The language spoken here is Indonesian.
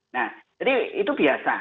nah jadi itu biasa